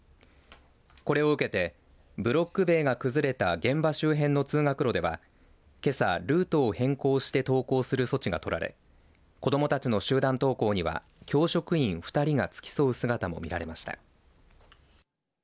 これを受けてブロック塀が崩れた現場周辺の通学路ではけさ、ルートを変更して登校する措置が取られ子どもたちの集団登校には教職員２人が付き添う姿も見られました。